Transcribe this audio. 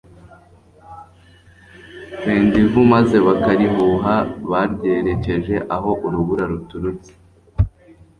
Kwenda ivu maze bakarihuha baryerekeje aho urubura ruturutse,